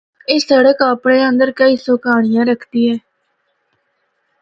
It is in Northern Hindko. اے سڑک اپنڑے اندر کئی سو کہانڑیاں رکھدی ہے۔